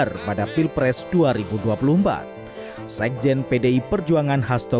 ke advokat ungkarenan yang lebih terdengan perempuan lain dengannya